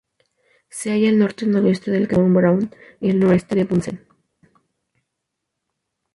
Se halla al norte-noroeste del cráter von Braun, y al noreste de Bunsen.